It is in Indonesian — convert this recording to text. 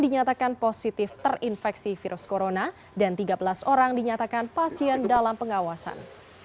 dinyatakan positif terinfeksi virus corona dan tiga belas orang dinyatakan pasien dalam pengawasan